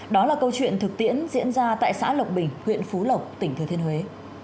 đó là câu chuyện thực tiễn diễn ra tại xã lộc bình huyện phú lộc tỉnh thừa thiên huế